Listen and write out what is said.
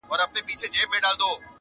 عنبرخاله، پرخیاله تل خوشاله د زړه غوره